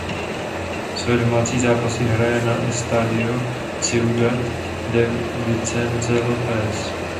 Své domácí zápasy hraje na Estadio Ciudad de Vicente López.